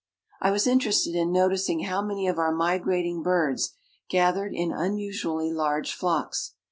I was interested in noticing how many of our migrating birds gathered in unusually large flocks.